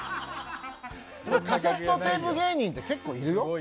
カセットテープ芸人って結構いるよ。